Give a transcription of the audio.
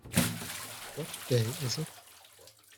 What day is it?